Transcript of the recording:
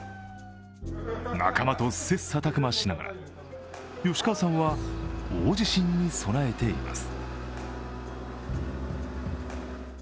仲間と切磋琢磨しながら吉川さんは大地震に備えています。